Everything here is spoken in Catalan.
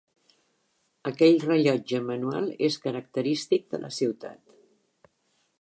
Aquell rellotge manual és característic de la ciutat.